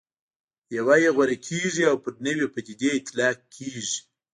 یوه یې غوره کېږي او پر نوې پدیدې اطلاق کېږي.